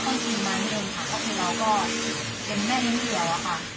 ไม่ต้องกินมันเลยค่ะก็คือเราก็เป็นแม่เลี้ยวอ่ะค่ะ